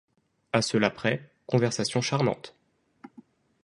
À cela près, conversations charmantes.